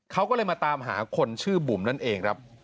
เขาก็เลยมาตามหาคนชื่อบุ๋มนั่นเองครับ